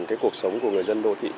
cái cuộc sống của người dân đô thị